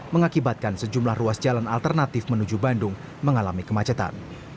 mengakibatkan sejumlah ruas jalan alternatif menuju bandung mengalami kemacetan